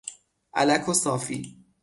الک و صافی